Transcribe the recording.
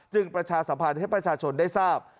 ประชาสัมพันธ์ให้ประชาชนได้ทราบ